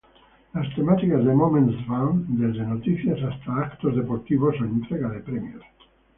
Las temáticas de Moments van desde noticias hasta eventos deportivos o entrega de premios.